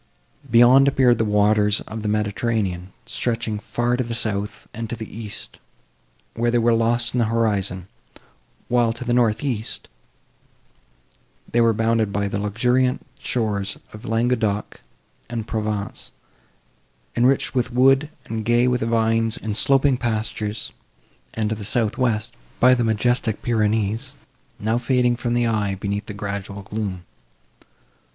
Beyond, appeared the waters of the Mediterranean, stretching far to the south, and to the east, where they were lost in the horizon; while, to the north east, they were bounded by the luxuriant shores of Languedoc and Provence, enriched with wood, and gay with vines and sloping pastures; and, to the south west, by the majestic Pyrenees, now fading from the eye, beneath the gradual gloom.